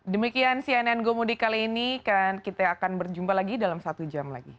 demikian cnn gomudik kali ini kan kita akan berjumpa lagi dalam satu jam lagi